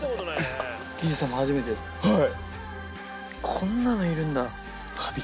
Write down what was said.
こんなのいるんだ。